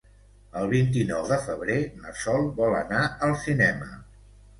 El vint-i-nou de febrer na Sol vol anar al cinema.